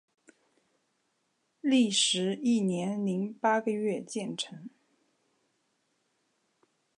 历时一年零八个月建成。